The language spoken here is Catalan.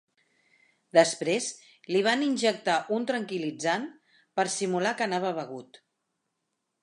Després li van injectar un tranquil·litzant, per simular que anava begut.